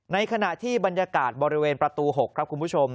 ในขณะที่บรรยากาศบริเวณประตู๖ครับคุณผู้ชม